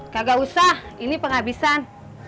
kagak usah ini penghabisan